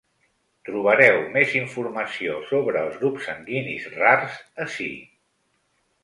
Trobareu més informació sobre el grups sanguinis rars ací.